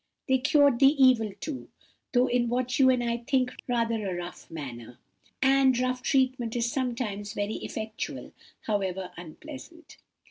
They cured the evil too, though in what you and I think rather a rough manner. And rough treatment is sometimes very effectual, however unpleasant.